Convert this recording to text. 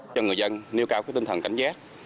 cho người dân nêu cao tinh thần cảnh giác